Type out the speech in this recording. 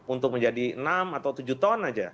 untuk menjadi enam atau tujuh ton aja